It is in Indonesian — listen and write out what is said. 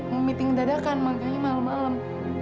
mau meeting dadakan makanya malem malem